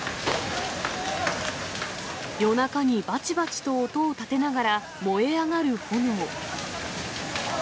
夜中にばちばちと音を立てながら、燃え上がる炎。